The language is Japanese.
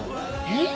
えっ！？